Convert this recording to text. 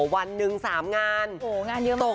วันหนึ่ง๓งานโอ้โหงานเยอะมาก